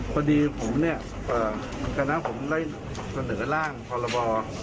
พอดีผมเนี่ยคณะผมได้เสนอร่างพรบ